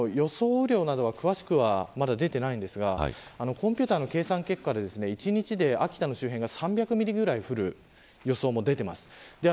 雨量などは詳しくはまだ出ていないんですがコンピューターの計算結果で一日で秋田の周辺が３００ミリぐらい降る予想も出ています。